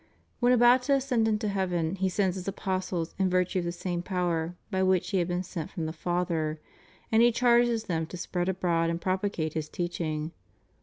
When about to ascend into heaven He sends His apostles in virtue of the same power by which He had been sent from the Father; and He charges them to spread abroad and propagate His teaching.